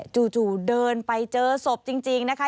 จู่เดินไปเจอศพจริงนะคะ